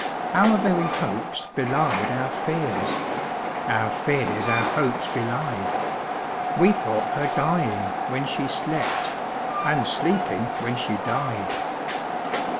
Our very hopes belied our fears, Our fears our hopes belied We thought her dying when she slept, And sleeping when she died.